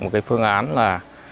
một phương án là